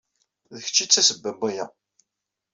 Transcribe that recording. D kecc ay d tasebba n waya.